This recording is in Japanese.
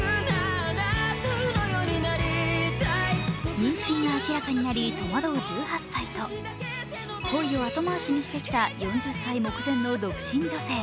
妊娠が明らかになり戸惑う１８歳と恋を後回しにしてきた４０歳目前の独身女性。